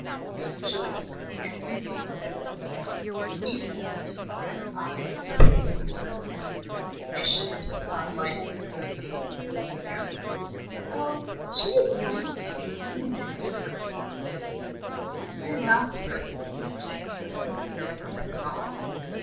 I rejoice in every moment I live even when Winifred and I are wrestling with arithmetic." "I shouldn't have thought life was very easy with Lady Meryon." "Oh, she is kind enough in an indifferent sort of way. I am not the persecuted Jane Eyre sort of governess at all.